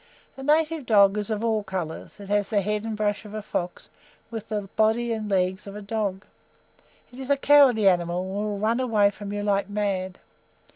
The native dog is of all colours; it has the head and brush of a fox, with the body a legs of a dog. It is a cowardly animal, and will run away from you like mad.